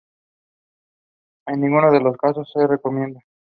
En ninguno de los casos se recomienda.